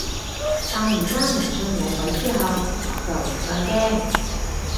但而家唔信有鬼之後，我就唔再驚